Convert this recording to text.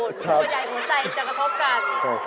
ส่วนใหญ่หัวใจจะกระทบกัน